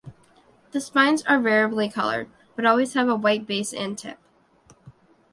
The spines are variably colored, but always have a white base and tip.